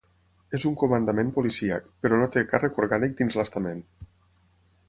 És un comandament policíac, però no té càrrec orgànic dins l’estament.